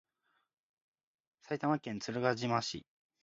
埼玉県鶴ヶ島市